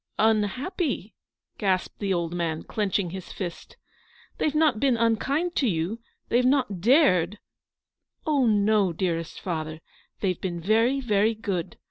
" Unhappy !" gasped the old man, clenching his fist ;" they've not been unkind to you — they've not dared —"" Oh, no, dearest father. They've been very, very good.